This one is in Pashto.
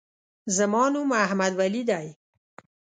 زما نوم احمدولي دی.